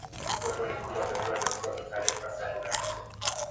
Soko ni kubwa tatizo ni kukosa taarifa sahihi za masoko